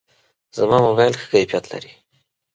زما موبایل ښه کیفیت لري.